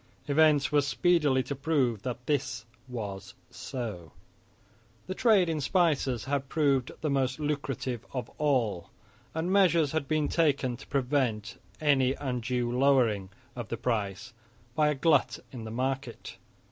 Events were speedily to prove that this was so. The trade in spices had proved the most lucrative of all, and measures had been taken to prevent any undue lowering of the price by a glut in the market.